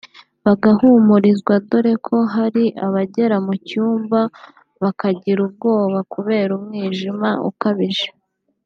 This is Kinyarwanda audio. bagahumurizwa dore ko hari abagera mu cyumba bakagira ubwoba kubera umwijima ukabije